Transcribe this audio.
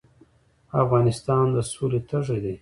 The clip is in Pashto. افغانستان د سولې تږی دی